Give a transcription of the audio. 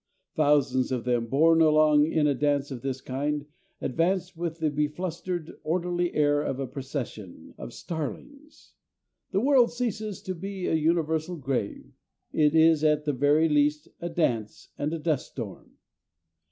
Thousands of them, borne along in a dance of this kind, advance with the beflustered, orderly air of a procession of starlings. The world ceases to be a universal grave. It is at the very least a dance and a dust storm.